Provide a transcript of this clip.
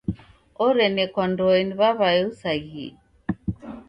Orenekwandoe ni w'aw'ae usaghie.